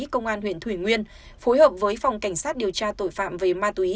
công an huyện thủy nguyên phối hợp với phòng cảnh sát điều tra tội phạm về ma túy